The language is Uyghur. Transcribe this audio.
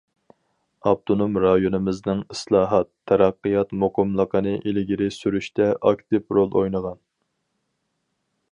ئاپتونوم رايونىمىزنىڭ ئىسلاھات، تەرەققىيات مۇقىملىقىنى ئىلگىرى سۈرۈشتە ئاكتىپ رول ئوينىغان.